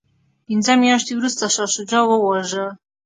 پنځه میاشتې وروسته شاه شجاع وواژه.